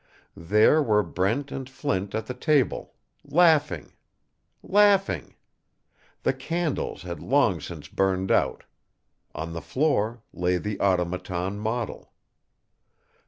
There were Brent and Flint at the table laughing laughing. The candles had long since burned out. On the floor lay the automaton model.